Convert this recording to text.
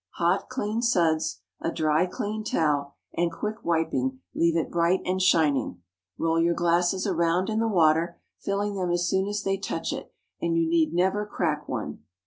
Hot, clean suds, a dry, clean towel, and quick wiping leave it bright and shining. Roll your glasses around in the water, filling them as soon as they touch it, and you need never crack one.